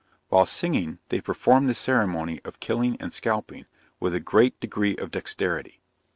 While singing, they perform the ceremony of killing and scalping, with a great degree of dexterity.